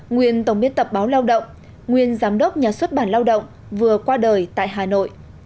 nguyên tổng biên tập báo lao động nguyên giám đốc nhà xuất bản lao động vừa qua đời tại hà nội